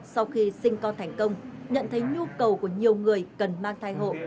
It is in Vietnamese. sau khi sinh con thành công nhận thấy nhu cầu của nhiều người cần mang thai hộ